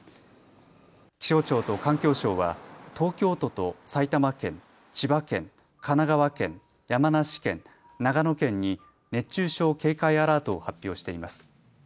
気象庁と環境省は東京都と埼玉県、千葉県、神奈川県、山梨県、長野県に熱中症警戒アラートを発表しています。